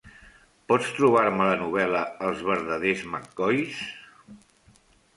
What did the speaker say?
Pots trobar-me la novel·la "Els verdaders McCoys"?